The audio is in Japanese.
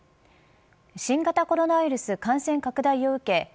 新型コロナウイルス感染拡大を受け